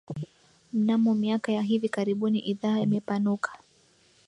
Mnamo miaka ya hivi karibuni idhaa imepanuka